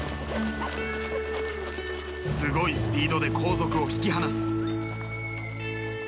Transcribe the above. すごいスピードで後続を引き離す。